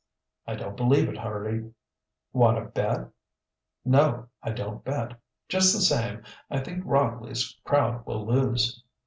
"I don't believe it, Hurdy." "Want to bet?" "No, I don't bet. Just the same, I think Rockley's crowd will lose."